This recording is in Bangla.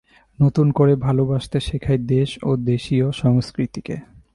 নতুন করে ভালোবাসতে শেখায় দেশ ও দেশীয় সংস্কৃতিকে।